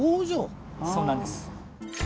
そうなんです。